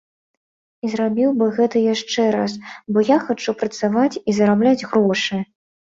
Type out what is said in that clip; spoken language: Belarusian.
І зрабіў бы гэта яшчэ раз, бо я хачу працаваць і зарабляць грошы.